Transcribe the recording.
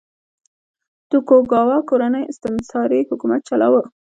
توکوګاوا کورنۍ استثماري حکومت چلاوه.